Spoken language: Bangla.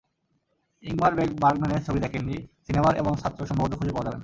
ইঙ্গমার বার্গম্যানের ছবি দেখেননি, সিনেমার এমন ছাত্র সম্ভবত খুঁজে পাওয়া যাবে না।